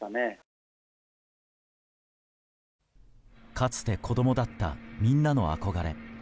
かつて子供だったみんなの憧れ。